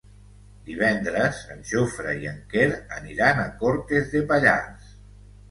Divendres en Jofre i en Quer aniran a Cortes de Pallars.